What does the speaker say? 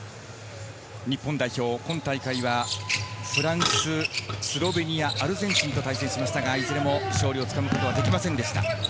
日本代表、今大会はフランス、スロベニア、アルゼンチンと対戦しましたが、いずれも勝利をつかむことはできませんでした。